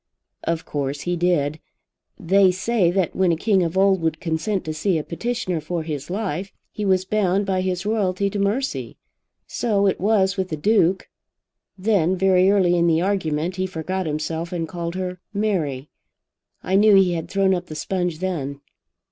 "Of course he did. They say that when a king of old would consent to see a petitioner for his life, he was bound by his royalty to mercy. So it was with the Duke. Then, very early in the argument, he forgot himself, and called her Mary. I knew he had thrown up the sponge then."